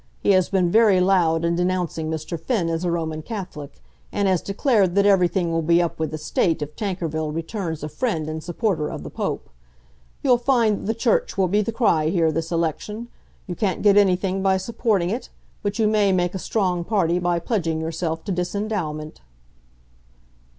He has been very loud in denouncing Mr. Finn as a Roman Catholic, and has declared that everything will be up with the State if Tankerville returns a friend and supporter of the Pope. You'll find that the Church will be the cry here this election. You can't get anything by supporting it, but you may make a strong party by pledging yourself to disendowment."